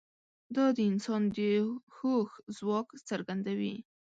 دا د انسان د هوښ ځواک څرګندوي.